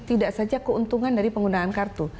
tidak saja keuntungan dari penggunaan kartu